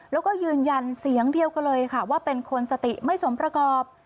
แล้วก็ยืนยันเสียงเดียวกันเลยค่ะว่าเป็นคนสติไม่สมประกอบ